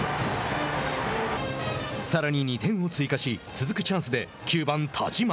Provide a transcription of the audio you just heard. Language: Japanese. さらに２点を追加し続くチャンスで９番田嶋。